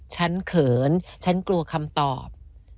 เขินฉันกลัวคำตอบ